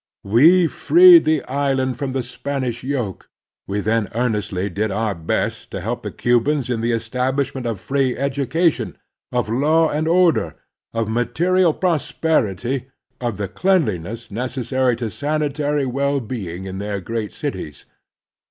We freed the island from the Spanish yoke. We then earnestly did our best to help the Cubans in the establishment of free education, of law and order, of material prosperity, of the cleanliness necessary to sanitary well being in their great cities.